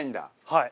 はい。